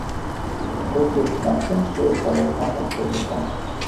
ზოგიერთ მათგანს შეეცვალა სახელწოდება.